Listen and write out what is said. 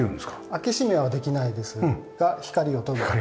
開け閉めはできないですが光を取り込む。